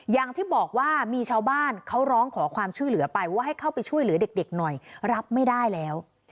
อย่างที่บอกว่ามีชาวบ้านเขาร้องขอความช่วยเหลือไปว่าให้เข้าไปช่วยเหลือเด็กหน่อยรับไม่ได้แล้ว